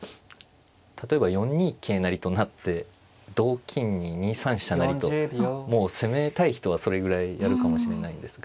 例えば４二桂成と成って同金に２三飛車成ともう攻めたい人はそれぐらいやるかもしれないんですが。